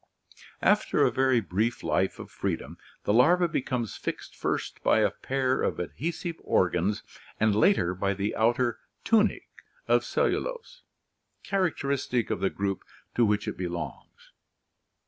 After a very brief life of freedom the larva becomes fixed first by a pair of adhesive organs and later by the outer "tunic" of cellulose characteristic of the group to which it belongs.